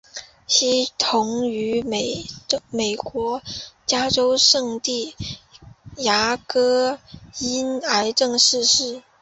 惜同年于美国加州圣地牙哥因癌症逝世。